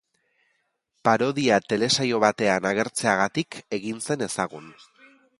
Parodia telesaio batean agertzeagatik egin zen ezagun.